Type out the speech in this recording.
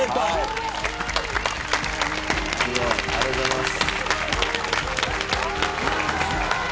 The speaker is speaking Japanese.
ありがとうございます。